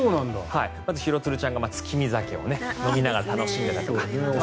まず廣津留ちゃんが月見酒を飲みながら楽しんでいたりとか。